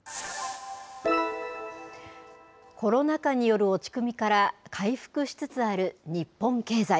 コロナ禍による落ち込みから、回復しつつある日本経済。